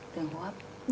đường ô hấp